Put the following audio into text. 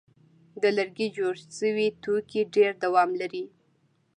د لرګي جوړ شوي توکي ډېر دوام لري.